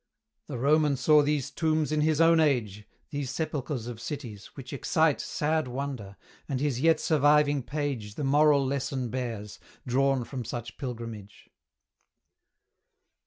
The Roman saw these tombs in his own age, These sepulchres of cities, which excite Sad wonder, and his yet surviving page The moral lesson bears, drawn from such pilgrimage.